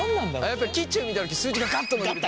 やっぱりキッチンを見た時数字がガッと伸びるという。